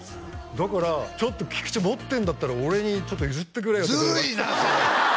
だからちょっと菊池持ってるんだったら俺に譲ってくれよってずるいな！